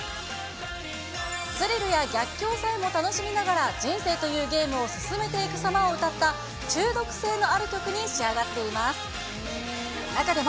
スリルや逆境さえも楽しみながら人生というゲームを進めていくさまを歌った、中毒性のある曲に仕上がっています。